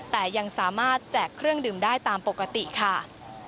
แต่ยังสามารถแจกเครื่องดื่มได้ตามปกติค่ะ